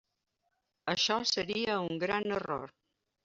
Això seria un gran error.